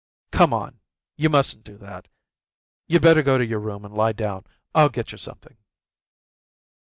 "Come on, you mustn't do that. You'd better go to your room and lie down. I'll get you something."